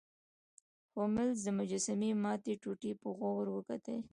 هولمز د مجسمې ماتې ټوټې په غور وکتلې.